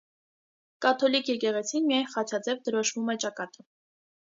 (Կաթոլիկ եկեղեցին միայն խաչաձև դրոշմում է ճակատը)։